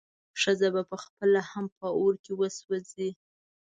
ښځه به پخپله هم په اور کې وسوځي.